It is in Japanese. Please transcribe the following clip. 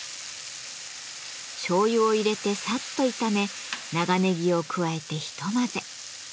しょうゆを入れてサッと炒め長ねぎを加えてひと混ぜ。